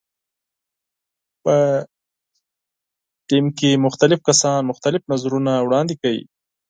په ټیم کې مختلف کسان مختلف نظرونه وړاندې کوي.